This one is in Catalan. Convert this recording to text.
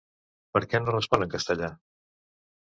Per què no respon en castellà?